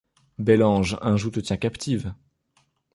Bel ange, un joug te tient captive